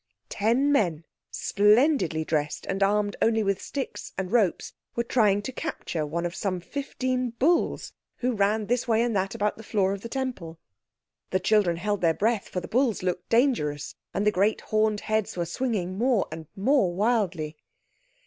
Ten men, splendidly dressed and armed only with sticks and ropes, were trying to capture one of some fifteen bulls who ran this way and that about the floor of the Temple. The children held their breath, for the bulls looked dangerous, and the great horned heads were swinging more and more wildly.